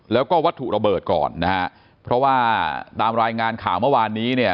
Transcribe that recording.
แล้วก็วัตถุระเบิดก่อนนะฮะเพราะว่าตามรายงานข่าวเมื่อวานนี้เนี่ย